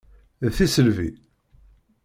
D tisselbi!